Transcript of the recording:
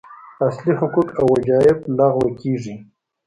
اصلي حقوق او وجایب لغوه کېږي.